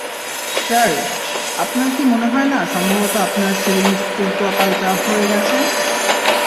Sir, আপনার কি মনে হয় না সম্ভবত আপনার সিরিঞ্জ উলট-পালট হয়ে গেছে?